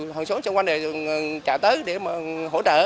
hơn số trong quanh đề trả tới để hỗ trợ